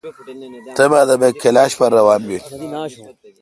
تے باگ دا بہ کلاش پر روان بیل۔